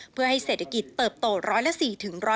เพื่อให้เศรษฐกิจเติบโต๑๐๐และ๔ถึง๑๐๕